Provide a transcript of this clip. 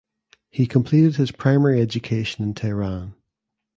He completed his primary education in Tehran.